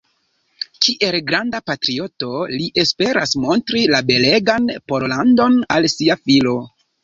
Kiel granda patrioto li esperas montri la belegan Pollandon al sia filo.